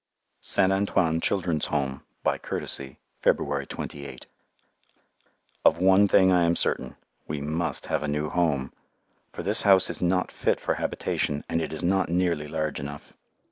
St. Antoine Children's Home (by courtesy) February 28 Of one thing I am certain, we must have a new Home, for this house is not fit for habitation, and it is not nearly large enough.